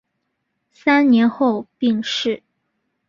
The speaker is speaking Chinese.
三年后病逝。